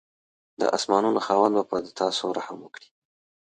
د اسمانانو خاوند به په تاسو رحم وکړي.